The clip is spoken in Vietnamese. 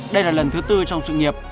đây là lần thứ bốn trong sự nghiệp